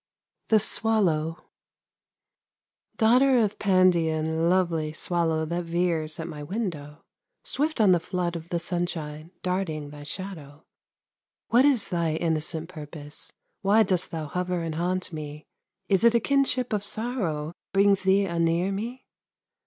THE SWALLOW Daughter of Pandion, lovely Swallow that veers at my window, Swift on the flood of the sunshine Darting thy shadow; What is thy innocent purpose, Why dost thou hover and haunt me? Is it a kinship of sorrow Brings thee anear me?